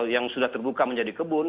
yang sudah terbuka menjadi kebun